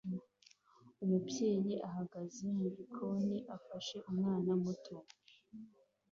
Umubyeyi uhagaze mu gikoni afashe umwana muto